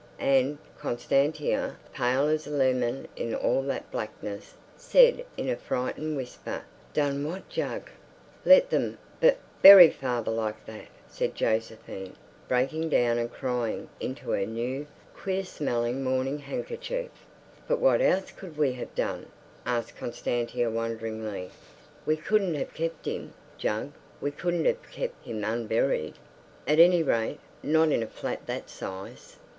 And Constantia, pale as a lemon in all that blackness, said in a frightened whisper, "Done what, Jug?" "Let them bu bury father like that," said Josephine, breaking down and crying into her new, queer smelling mourning handkerchief. "But what else could we have done?" asked Constantia wonderingly. "We couldn't have kept him, Jug—we couldn't have kept him unburied. At any rate, not in a flat that size."